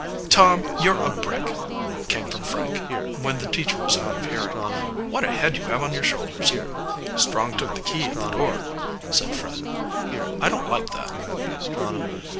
"Tom, you're a brick!" came from Frank, when the teacher was out of hearing. "What a head you have on your shoulders!" "Strong took the key of the door," said Fred. "I don't like that."